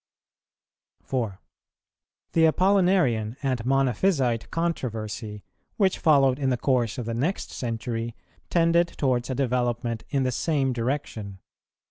The Apollinarian and Monophysite controversy, which followed in the course of the next century, tended towards a development in the same direction.